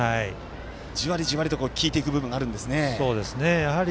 じわりじわりと効いていく部分があるんですね。